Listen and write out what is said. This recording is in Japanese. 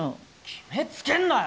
決めつけんなよ！